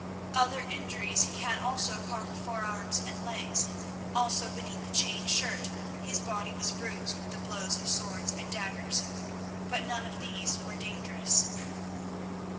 Other injuries he had also upon the forearms and legs, also beneath the chain shirt his body was bruised with the blows of swords and daggers. But none of these were dangerous.